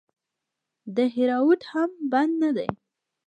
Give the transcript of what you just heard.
دهراوت هم بد نه دئ.